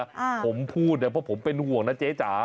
อ่าผมพูดเนี่ยเพราะผมเป็นห่วงนะเจ๊จ๋า